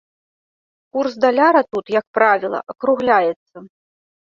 Курс даляра тут, як правіла, акругляецца.